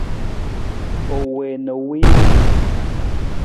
U wii na u wiim.